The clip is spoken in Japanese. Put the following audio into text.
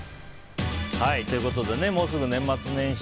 ということでもうすぐ年末年始。